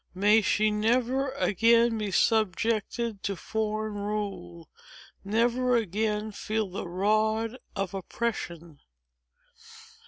May she never again be subjected to foreign rule—never again feel the rod of oppression!"